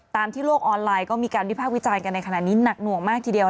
ที่โลกออนไลน์ก็มีการวิพากษ์วิจารณ์กันในขณะนี้หนักหน่วงมากทีเดียว